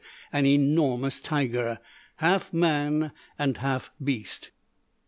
_, an enormous tiger half man and half beast.